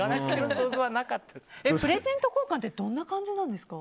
プレゼント交換ってどんな感じなんですか？